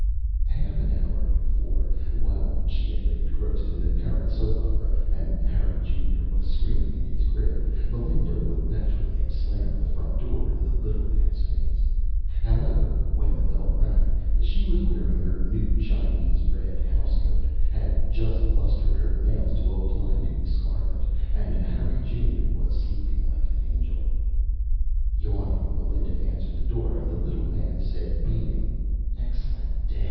_ Half an hour before, while she had been engrossed in the current soap opera and Harry Junior was screaming in his crib, Melinda would naturally have slammed the front door in the little man's face. However, when the bell rang, she was wearing her new Chinese red housecoat, had just lustered her nails to a blinding scarlet, and Harry Junior was sleeping like an angel. Yawning, Melinda answered the door and the little man said, beaming, "Excellent day.